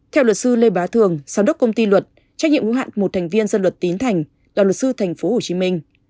theo luật sư lê bá thường sáng đốc công ty luật trách nhiệm ngũ hạn một thành viên dân luật tín thành là luật sư thành phố hồ chí minh